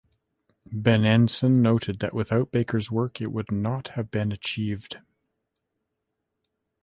Benenson noted that without Baker's work it would not have been achieved.